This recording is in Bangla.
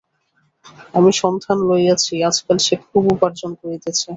আমি সন্ধান লইয়াছি, আজকাল সে খুব উপার্জন করিতেছে।